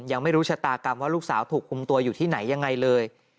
ยังไม่รู้ชะตากรรมว่าลูกสาวถูกคุมตัวอยู่ที่ไหนยังไงเลย